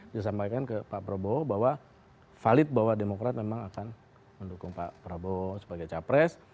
disampaikan ke pak prabowo bahwa valid bahwa demokrat memang akan mendukung pak prabowo sebagai capres